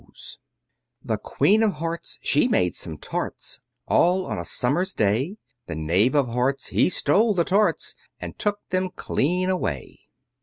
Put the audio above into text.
The Queen of Hearts, she made some tarts, All on a summer's day; The Knave of Hearts, he stole the tarts, And took them clean away.